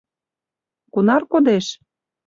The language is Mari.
Кунар кодеш?..